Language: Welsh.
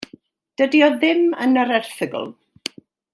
Dydy o ddim yn yr erthygl.